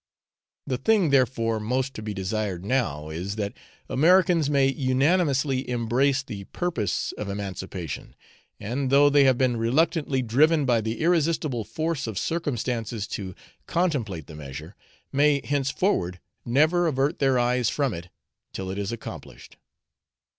The thing, therefore, most to be desired now is, that Americans may unanimously embrace the purpose of emancipation, and, though they have been reluctantly driven by the irresistible force of circumstances to contemplate the measure, may henceforward never avert their eyes from it till it is accomplished.